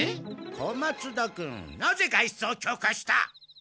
小松田君なぜ外出を許可した？